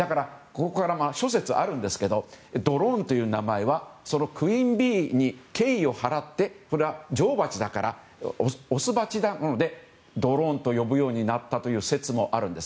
諸説あるんですがドローンという名前はそのクイーン・ビーに敬意を払って女王バチだからオスバチなものでドローンと呼ぶようになった説もあるんです。